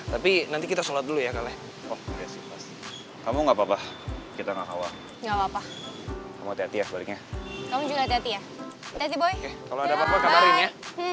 tapi nanti kita selesai dulu ya loh kamu nggak uwang ya bekerja karena